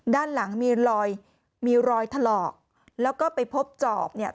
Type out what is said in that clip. ด้านหลังมีรอยมีรอยถลอกแล้วก็ไปพบจอบเนี่ย